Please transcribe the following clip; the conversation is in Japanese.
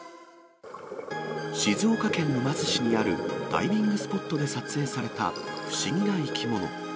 静岡県沼津市にあるダイビングスポットで撮影された不思議な生き物。